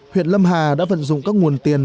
huyện lâm hà đã vận dụng các nguồn tiền